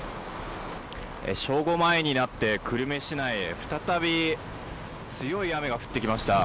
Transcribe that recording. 正午前になって久留米市内は再び強い雨が降ってきました。